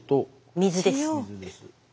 水です。